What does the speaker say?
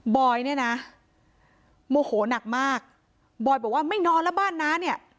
อยเนี่ยนะโมโหนักมากบอยบอกว่าไม่นอนแล้วบ้านน้าเนี่ย